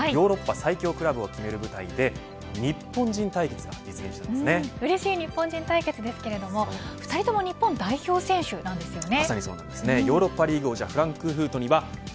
内田さん、ヨーロッパ最強クラブを決める舞台でうれしい日本人対決ですが２人とも日本代表選手なんですよね。